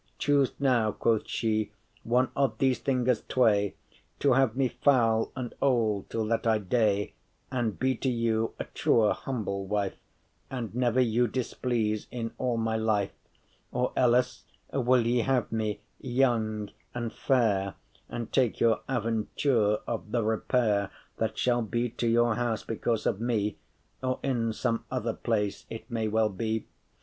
Choose now,” quoth she, “one of these thinges tway, To have me foul and old till that I dey,* *die And be to you a true humble wife, And never you displease in all my life: Or elles will ye have me young and fair, And take your aventure of the repair* *resort That shall be to your house because of me, — Or in some other place, it may well be?